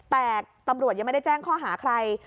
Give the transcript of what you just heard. แต่ตำรวจยังไม่ได้แจ้งข้อหาใคร